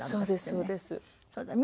そうですそうです。